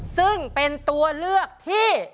ซึ่งเป็นตัวเลือกที่